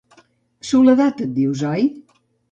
Soledat et dius, oi?